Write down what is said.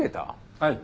はい。